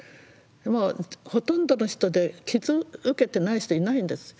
もうほとんどの人で傷受けてない人いないんです。